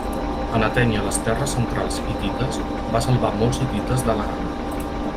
En atènyer les terres centrals hitites va salvar molts hitites de la gana.